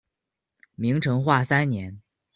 明成化三年。